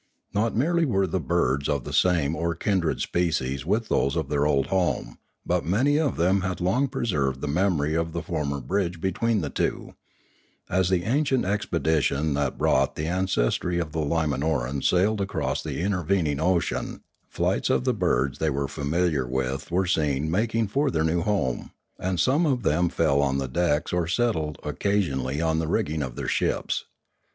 Not merely were the birds of the same or kindred species with those of their old home, but many of them had long preserved the memory of the former bridge between the two ; as the ancient expedition that brought the ancestry of the Limanorans sailed across the intervening ocean, flights of the birds they were familiar with were seen making for their new home, and some of them fell on the decks or settled occasion ally on the rigging of their ships.